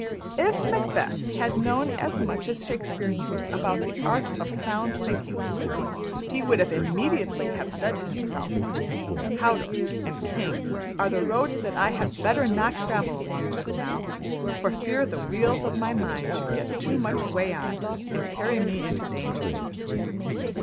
If Macheth had known as much as Shakespeare knew about the art of sound thinking, he would immediately have said to himself, ``\,`Cawdor' and `King' are the roads that I had better not travel along just now, for fear the wheels of my mind should get too much way on, and carry me into danger.''